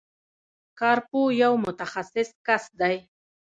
کارپوه یو متخصص کس دی.